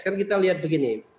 kan kita lihat begini